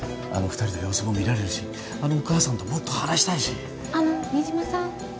あの二人の様子も見られるしあのお母さんともっと話したいしあの新島さん